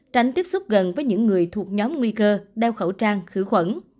tránh tiếp xúc gần với những người thuộc nhóm nguy cơ đeo khẩu trang khử khuẩn